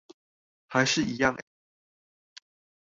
還是一樣欸